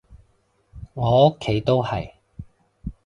我屋企都係